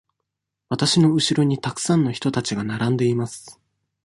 わたしのうしろにたくさんの人たちが並んでいます。